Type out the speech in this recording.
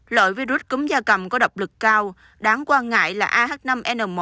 lợi virus cúm da cầm có độc lực cao đáng quan ngại là ah năm n một